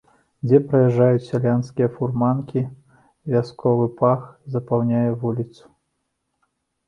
Дзе праязджаюць сялянскія фурманкі, вясковы пах запаўняе вуліцу.